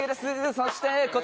そしてこちらが。